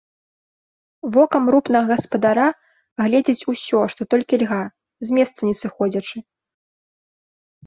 Вокам рупнага гаспадара агледзіць усё, што толькі льга, з месца не сыходзячы.